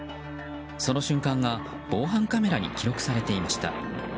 その瞬間が防犯カメラに記録されていました。